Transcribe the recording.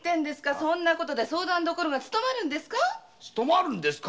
そんな事で相談処が勤まるんですか？